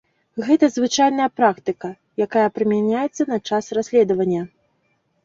Гэта звычайная практыка, якая прымяняецца на час расследавання.